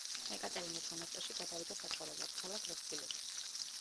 ეკატერინეს მონასტერში გადავიდა საცხოვრებლად, ქალაქ როსკილეში.